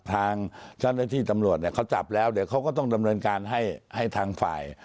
ทางเจ้าหน้าที่ตำรวจเนี่ยเขาจับแล้วเดี๋ยวเขาก็ต้องดำเนินการให้ทางฝ่าย